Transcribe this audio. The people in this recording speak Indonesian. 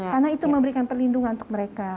karena itu memberikan perlindungan untuk mereka